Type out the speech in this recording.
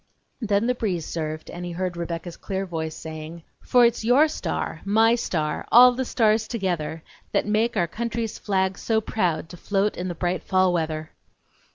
Then the breeze served, and he heard Rebecca's clear voice saying: "For it's your star, my star, all the stars together, That make our country's flag so proud To float in the bright fall weather!"